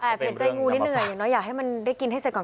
เห็นใจงูนิดเหนื่อยเนอะอยากให้มันได้กินให้เสร็จก่อน